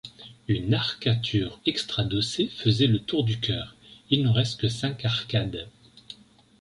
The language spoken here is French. Une arcature extradossée faisait le tour du chœur, il n'en reste que cinq arcades.